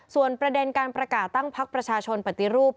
ส่วนประเด็นการประกาศตั้งพักประชาชนปฏิรูป